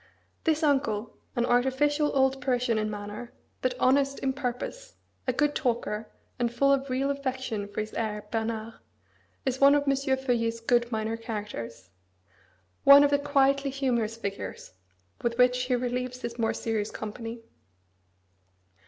This uncle, an artificial old Parisian in manner, but honest in purpose, a good talker, and full of real affection for his heir Bernard, is one of M. Feuillet's good minor characters one of the quietly humorous figures with which he relieves his more serious company.